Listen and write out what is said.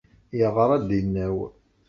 Yeɣra-d inaw.